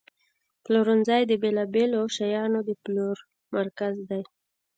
پلورنځی د بیلابیلو شیانو د پلور مرکز دی.